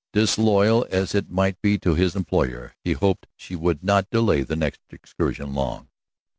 Disloyal as it might be to his employer, he hoped she would not delay the next excursion long.